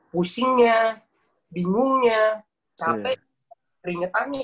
pusingnya bingungnya capek teringet tanya